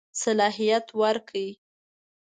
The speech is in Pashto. صلاحیت ورکړ.